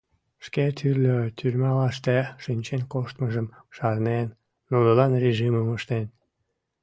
Шке тӱрлӧ тюрьмалаште шинчен коштмыжым шарнен, нунылан режимым ыштен.